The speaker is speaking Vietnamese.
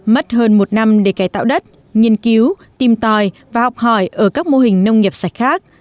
mất hơn một năm để cài tạo đất nghiên cứu tìm tòi và học hỏi ở các mô hình nông nghiệp sạch khác